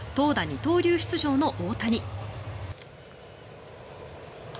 二刀流出場の大谷。